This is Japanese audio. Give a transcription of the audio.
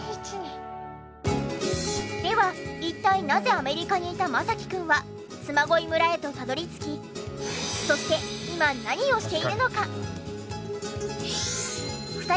では一体なぜアメリカにいたマサキくんは嬬恋村へとたどり着きそして今何をしているのか？